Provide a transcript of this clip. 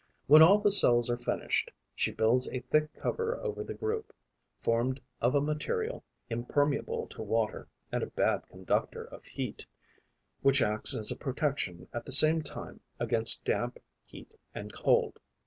When all the cells are finished, she builds a thick cover over the group, formed of a material, impermeable to water and a bad conductor of heat, which acts as a protection at the same time against damp, heat and cold.